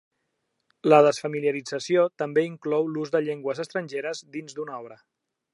La desfamiliarització també inclou l'ús de llengües estrangeres dins d'una obra.